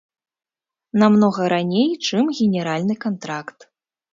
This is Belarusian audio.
Намнога раней, чым генеральны кантракт.